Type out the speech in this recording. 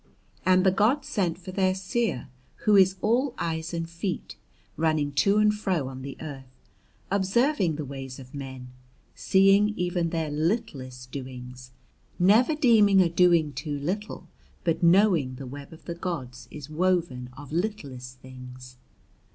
And the gods sent for their seer who is all eyes and feet, running to and fro on the Earth, observing the ways of men, seeing even their littlest doings, never deeming a doing too little, but knowing the web of the gods is woven of littlest things.